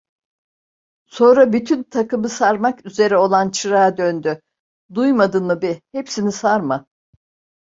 Sonra bütün takımı sarmak üzere olan çırağa döndü: "Duymadın mı be! Hepsini sarma."